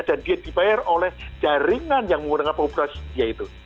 dan dia dibayar oleh jaringan yang mengurangkan populeritas dia itu